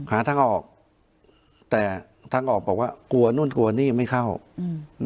หาทางออกแต่ทางออกบอกว่ากลัวนู่นกลัวนี่ไม่เข้าอืม